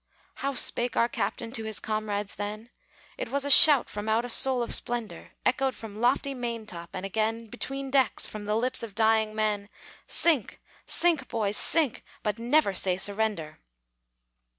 How spake our captain to his comrades then? It was a shout from out a soul of splendor, Echoed from lofty maintop, and again Between decks, from the lips of dying men, "Sink! sink, boys, sink! but never say surrender!"